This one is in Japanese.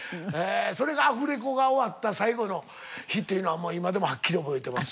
それがアフレコが終わった最後の日っていうのは今でもはっきり覚えてます。